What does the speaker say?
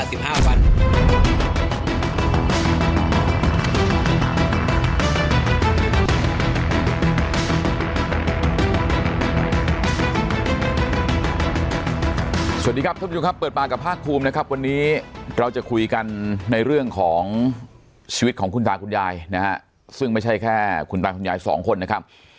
สวัสดีครับท่านผู้ชมครับเปิดปากกับภาคภูมินะครับวันนี้เราจะคุยกันในเรื่องของชีวิตของคุณตาคุณยายนะฮะซึ่งไม่ใช่แค่คุณตาคุณยายสองคนนะครับ